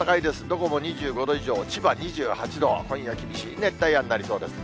どこも２５度以上、千葉２８度、今夜、厳しい熱帯夜になりそうです。